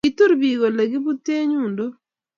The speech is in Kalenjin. kotur piik ole kipute yundok